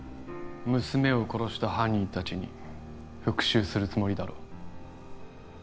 娘を殺した犯人達に復讐するつもりだろう